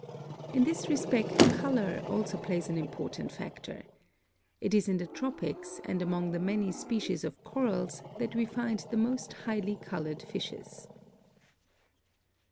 In this respect color also plays an important factor. It is in the tropics and among the many species of corals that we find the most highly colored fishes.